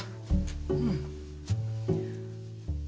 うん。